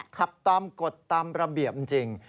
ขับตามกฎตามระเบียบจริง